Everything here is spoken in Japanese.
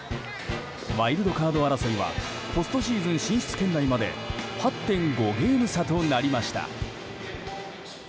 ワイルドカード争いはポストシーズン進出圏内まで８．５ゲーム差となりました。